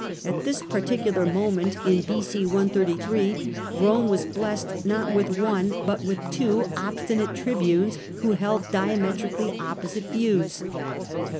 At this particular moment, in B.c. 133, Rome was blessed not with one, but with two obstinate tribunes who held diametrically opposite views.